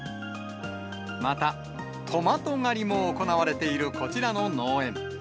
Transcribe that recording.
またトマト狩りも行われているこちらの農園。